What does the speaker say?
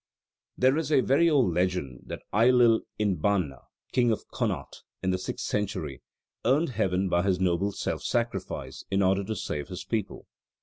There is a very old legend that Ailill Inbanna, king of Connaught in the sixth century, earned heaven by his noble self sacrifice in order to save his people.